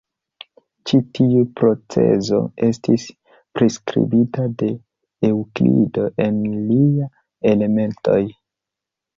Ĉi tiu procezo estis priskribita de Eŭklido en lia "Elementoj".